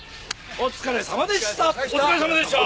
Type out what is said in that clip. お疲れさまでした。